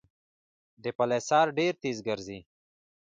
د پلسار ډېر تېز ګرځي.